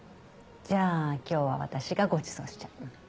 じゃあ今日は私がごちそうしちゃう。